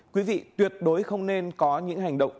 quý vị tuyệt đối không nên có những hành động